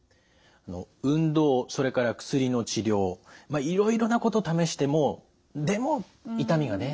運動それから薬の治療いろいろなこと試してもでも痛みがね